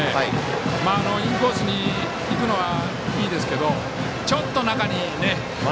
インコースにいくのはいいですけどちょっと、中に。